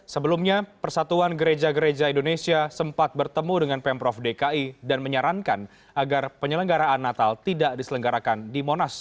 sebelumnya persatuan gereja gereja indonesia sempat bertemu dengan pemprov dki dan menyarankan agar penyelenggaraan natal tidak diselenggarakan di monas